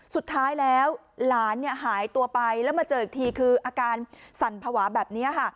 สุดท้ายแล้วหลานหายตัวไปแล้วมาเจออีกทีคืออาการสั่นภาวะแบบนี้ค่ะ